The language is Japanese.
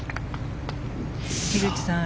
樋口さん